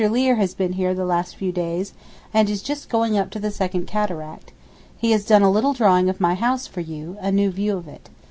Lear has been here the last few days, and is just going up to the second cataract; he has done a little drawing of my house for you—a new view of it.